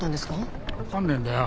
分かんねえんだよ。